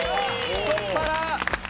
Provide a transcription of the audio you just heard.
太っ腹！